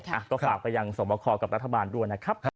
ค่ะก็ฝากกับยังสมครองกับรัฐบาลด้วยนะครับ